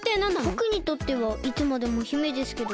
ぼくにとってはいつまでも姫ですけど。